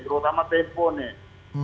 terutama tempo nih